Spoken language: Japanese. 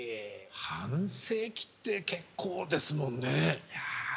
半世紀って結構ですもんね。